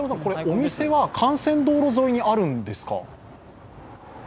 お店は幹線道路沿いにあるんですか？